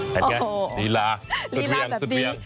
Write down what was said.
เห็นไงลีลาสุดเวียงสุดเวียง